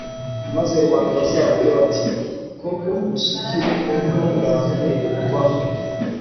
maze rubanda bazavuge bati koko ubusugire bw'intungane bubaho